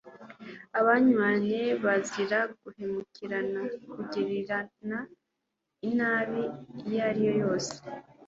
Abanywanye bazira guhemukirana, kugirirana inabi iyo ariyo yose,